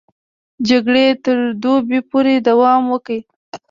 جګړې تر دوبي پورې دوام وکړ.